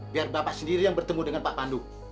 biar bapak sendiri yang bertemu dengan pak pandu